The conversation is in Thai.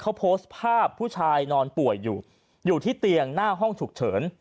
เขาโพสต์ภาพผู้ชายนอนป่วยอยู่อยู่ที่เตียงหน้าห้องฉุกเฉิน